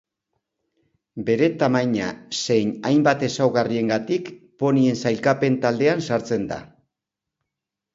Bere tamaina zein hainbat ezaugarriengatik ponien sailkapen taldean sartzen da.